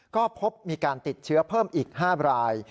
ก็พบมีการติดเชื้อเพิ่มอีก๕ราย